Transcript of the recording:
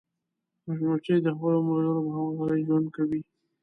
مچمچۍ د خپلو ملګرو په همکارۍ ژوند کوي